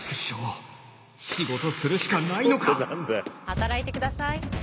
働いてください。